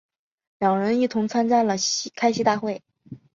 两人一同参加了开西大会。